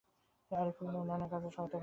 আরিফুলের উন্নয়নকাজে সরকার সহায়তা করেছে।